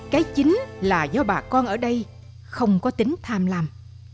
cái chính là do bà con ở đây không có tính tham làm